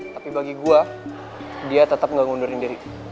tapi bagi gue dia tetap gak ngundurin diri